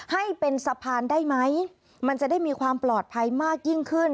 ให้เป็นสะพานได้ไหมมันจะได้มีความปลอดภัยมากยิ่งขึ้น